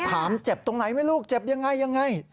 ถามเจ็บตรงไหนไหมลูกเจ็บอย่างไรอย่างไร